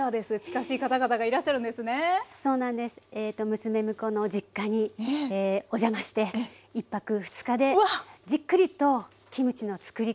娘婿の実家にお邪魔して１泊２日でじっくりとキムチのつくり方